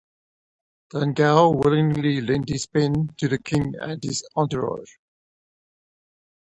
Dangeau willingly lent his pen to the king and his entourage.